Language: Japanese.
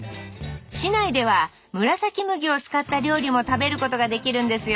市内ではむらさき麦を使った料理も食べることができるんですよ